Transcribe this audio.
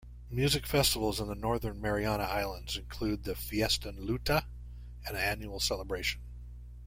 Music festivals in the Northern Mariana Islands include the Fiestan Luta, an annual celebration.